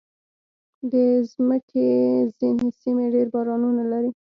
د مځکې ځینې سیمې ډېر بارانونه لري.